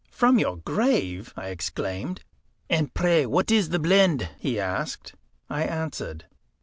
"From your grave!" I exclaimed. "And pray, what is the blend?" he asked. I answered.